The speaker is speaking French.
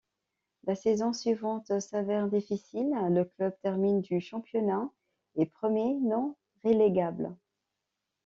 La saison suivante s'avère difficile, le club termine du championnat et premier non-relégable.